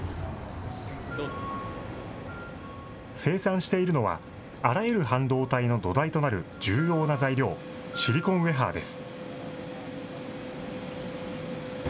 生産しているのは、あらゆる半導体の土台となる重要な材料、シリコンウエハーです。